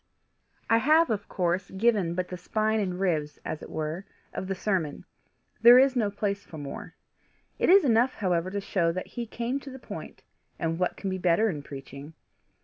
I have of course given but the spine and ribs, as it were, of the sermon. There is no place for more. It is enough however to show that he came to the point and what can be better in preaching?